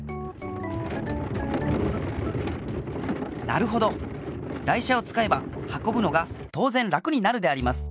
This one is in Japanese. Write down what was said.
なるほど台車をつかえばはこぶのがとうぜん楽になるであります。